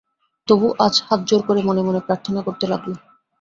তবু আজ হাত জোড় করে মনে মনে প্রার্থনা করতে লাগল।